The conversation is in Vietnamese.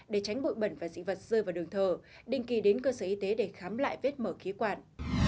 để tránh bụi bẩn và dị vật rơi vào đường thờ định kỳ đến cơ sở y tế để khám lại vết mở khí quản